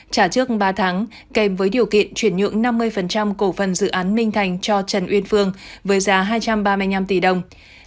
trả trước ba tháng kèm với điều kiện chuyển nhượng năm mươi cổ phần dự án minh thành cho trần uyên phương với giá hai trăm ba mươi năm tỷ đồng